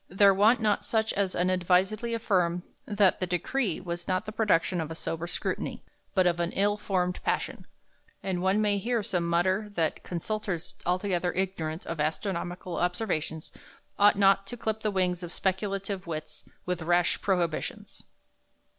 There want not such as unadvisedly affirm, that the Decree was not the production of a sober Scrutiny, but of an ill formed passion; and one may hear some mutter that Consultors altogether ignorant of Astronomical observations ought not to clipp the wings of speculative wits with rash prohibitions."